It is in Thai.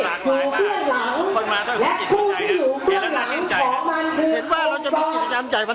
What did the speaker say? แต่เป็นที่รับความรับว่าจะมีการชืดความความความโทษ